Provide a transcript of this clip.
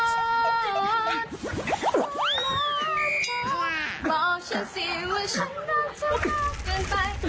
หนัง